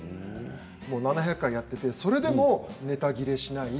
７００回やっていてそれでもネタ切れでしない。